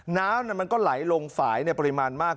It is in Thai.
น้ำมันก็ไหลลงฝ่ายในปริมาณมาก